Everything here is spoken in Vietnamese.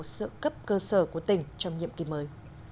sự cấp cơ sở của tỉnh trong nhiệm kỳ mới